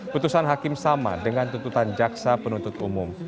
putusan hakim sama dengan tuntutan jaksa penuntut umum